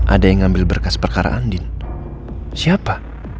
ada yang ngambil berkas perkara andin siapa